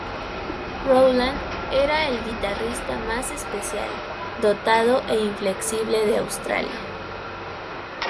Rowland era el guitarrista más especial, dotado e inflexible de Australia.